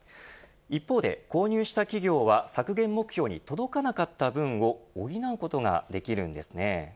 一方で、購入した企業は削減目標に届かなかった分を補うことができんるんです。